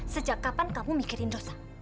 sejak kapan kamu mikirin dosa